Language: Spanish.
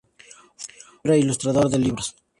Fue pintor e ilustrador de libros.